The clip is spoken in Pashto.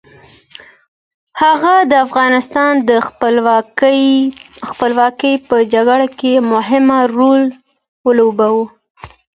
هغه د افغانستان د خپلواکۍ په جګړه کې مهم رول ولوباوه.